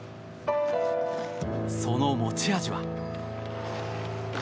その持ち味は。